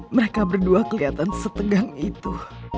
mereka berdua kelihatan setegang itu